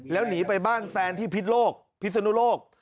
แล้วหนีไปบ้านแฟนที่พิษโลกพิศนุโลก